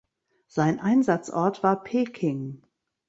Sein Einsatzort war Peking.